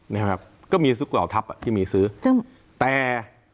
นะครับก็มีทุกเหล่าทัพอ่ะที่มีซื้อจึงแต่